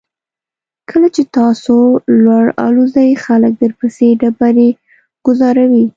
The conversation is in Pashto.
کله چې تاسو لوړ الوځئ خلک درپسې ډبرې ګوزاروي.